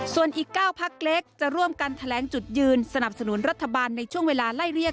ส่วนอีก๙พักเล็กจะร่วมกันแถลงจุดยืนสนับสนุนรัฐบาลในช่วงเวลาไล่เรียก